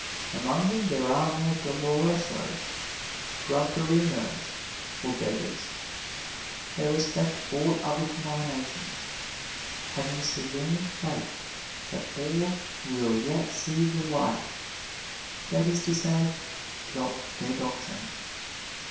Among them there are no dolorosos, grumperinos or beggars. They respect all other denominations, having a serene faith that all will yet see the light that is to say, adopt their doctrines.